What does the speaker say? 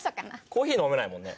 コーヒー飲めないもんね？